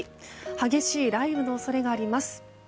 激しい雷雨の恐れがあります。